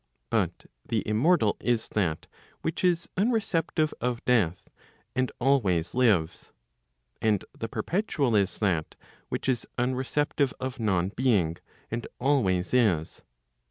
But the immortal is that which is unreceptive of death, and always lives. And the perpetual is that which is unreceptive of non being, and always is.